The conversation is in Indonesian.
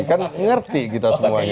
kan ngerti kita semuanya